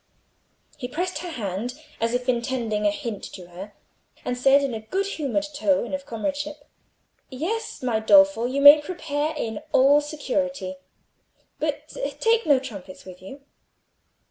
He pressed her hand, as if intending a hint to her, and said in a good humoured tone of comradeship— "Yes, my Dolfo, you may prepare in all security. But take no trumpets with you."